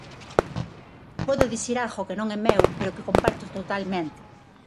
Podo dicir algo que non é meu, pero que comparto totalmente.